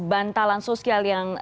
bantalan sosial yang